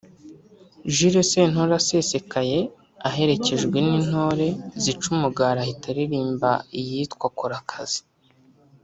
Jules Sentore asesekaye aherekejwe n’intore zica umugara ahita aririmba iyitwa ’Kora akazi’